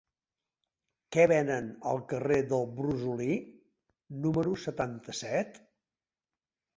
Què venen al carrer del Brosolí número setanta-set?